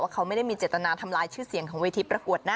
เขาไม่ได้มีเจตนาทำลายชื่อเสียงของเวทีประกวดนะ